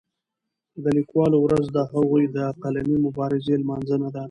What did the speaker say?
د لیکوالو ورځ د هغوی د قلمي مبارزې لمانځنه ده.